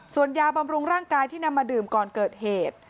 ส่วนยาบำรุงร่างกายที่นำมาดื่มก่อนเกิดเหตุ